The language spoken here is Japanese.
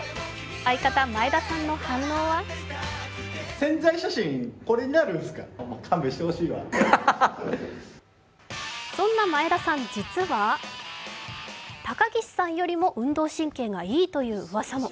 相方・前田さんの反応はそんな前田さん、実は高岸さんよりも運動神経がいいといううわさも。